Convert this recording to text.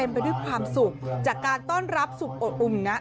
ไปด้วยความสุขจากการต้อนรับสุดอบอุ่นนะ